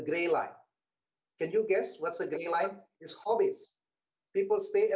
peningkatan positif di bulan pertama dua ribu dua puluh satu